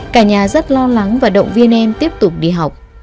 cả nhà rất lo lắng và động viên em tiếp tục đi học